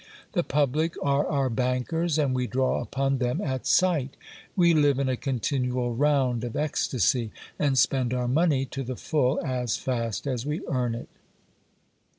The public, are our bankers, and we draw upon them at 246 GIL BLAS. sight. We live in a continual round of ecstacy, and spend our money to the full as fast as we earn it.